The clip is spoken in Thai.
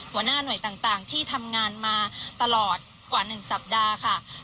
หัวหน้าหน่วยต่างที่ทำงานมาตลอดกว่า๑สัปดาห์ค่ะ